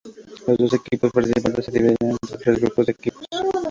Los doce equipos participantes se dividirían en tres grupos de cuatro equipos.